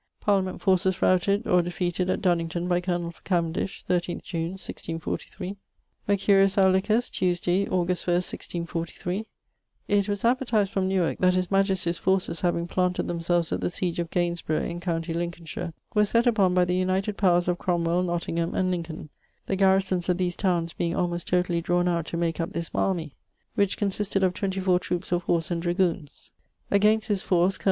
Parliament forces routed or defeated at Dunnington by col. Cavendish, 13 June, 1643. Mercurius Aulicus, Tuesday, Aug. 1, 1643; 'It was advertised from Newarke that his majestie's forces having planted themselves at the siege of Gainsborough in com. Linc., were sett upon by the united powers of Cromwell, Nottingham, and Lincolne, the garrisons of these townes being almost totally drawn out to make up this army, which consisted of 24 troupes of horse and dragoons. Against this force, col.